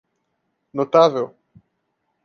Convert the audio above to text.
Notável.